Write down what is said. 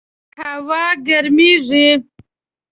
هوا ګرمیږي